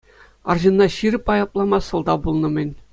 Арҫынна ҫирӗп айӑплама сӑлтав пулнӑ-мӗн.